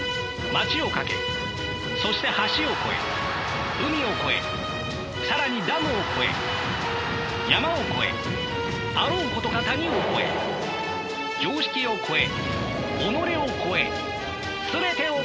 街を駆けそして橋を越え海を越え更にダムを越え山を越えあろうことか谷を越え常識を越え己を越え全てを越えて。